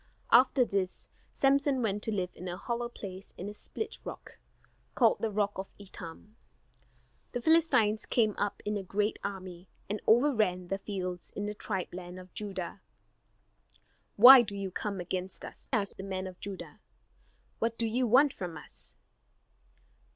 After this Samson went to live in a hollow place in a split rock, called the rock of Etam. The Philistines came up in a great army, and overran the fields in the tribe land of Judah. "Why do you come against us?" asked the men of Judah, "what do you want from us?"